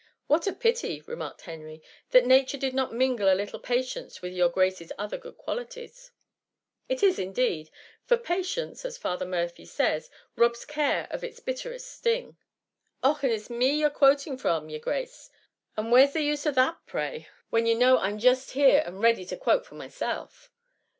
''What a pity,'' remarked Henry, " that nature did not mingle a little patience with your Grace^s other good c][ualities.'' " It is, indeed'; — *for patience/ as Father Murphy says, 'robs care of its bitterest sting."' " Och ( and is it me ye 're quoting from, yere Grace P And where ^s the use of that^ pray ? THE MUMMY. 159 when ye know I'm just here and ready to quote for myself."